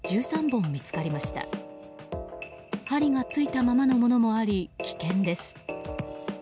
針がついたままのものもあり危険です。